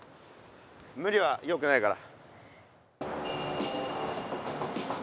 むりはよくないから。